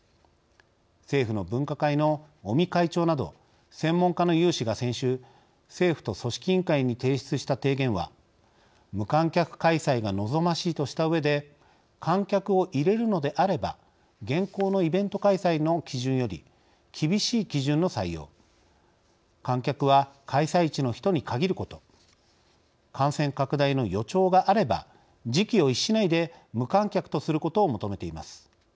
政府の分科会の尾身会長など専門家の有志が先週政府と組織委員会に提出した提言は無観客開催が望ましいとしたうえで観客を入れるのであれば現行のイベント開催の基準より厳しい基準の採用観客は開催地の人に限ること感染拡大の予兆があれば時機を逸しないで無観客とすることを求めています。